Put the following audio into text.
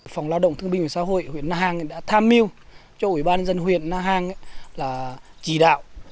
phòng lao động thương binh và xã hội huyện na hàng đã tham mưu cho ủy ban dân huyện na hàng là chỉ đạo